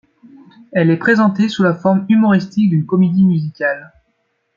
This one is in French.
Elle est présentée sous la forme humoristique d'une comédie musicale.